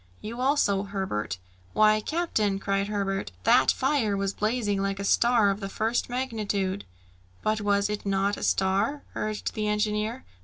"You also, Herbert?" "Why, captain," cried Herbert, "that fire was blazing like a star of the first magnitude!" "But was it not a star?" urged the engineer.